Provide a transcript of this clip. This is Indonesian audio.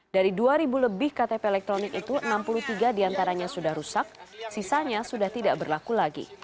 dari dua lebih ktp elektronik itu enam puluh tiga diantaranya sudah rusak sisanya sudah tidak berlaku lagi